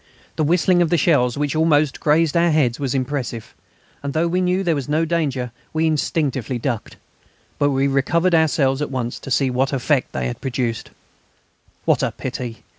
The whistling of the shells, which almost grazed our heads, was impressive, and, though we knew there was no danger, we instinctively ducked. But we recovered ourselves at once to see what effect they had produced. What a pity!